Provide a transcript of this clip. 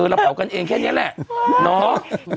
เราเผากันเองแค่นี้แหละเนาะ